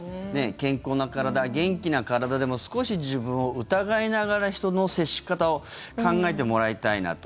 健康な体、元気な体でも少し自分を疑いながら人の接し方を考えてもらいたいなと。